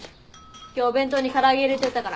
今日お弁当に唐揚げ入れといたから。